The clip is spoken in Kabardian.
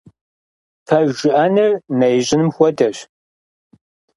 Пэж жыӀэныр нэ ищӀыным хуэдэщ.